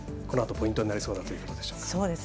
このあとポイントになりそうということでしょうか。